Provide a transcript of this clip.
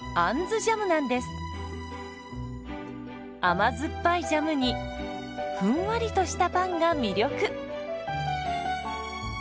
甘酸っぱいジャムにふんわりとしたパンが魅力。